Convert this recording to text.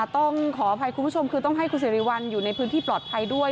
ต้องขออภัยคุณผู้ชมคือต้องให้คุณสิริวัลอยู่ในพื้นที่ปลอดภัยด้วย